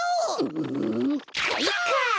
うんかいか！